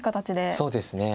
そうですね。